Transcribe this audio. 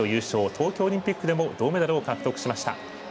東京オリンピックでも銅メダルを獲得しました。